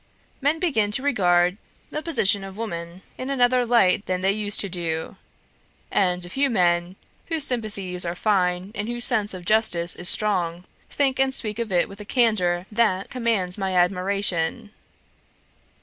Men begin to regard the position of woman in another light than they used to do; and a few men, whose sympathies are fine and whose sense of justice is strong, think and speak of it with a candour that commands my admiration.